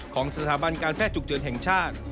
ของสถาบันการแพทย์ฉุกเฉินแห่งชาติ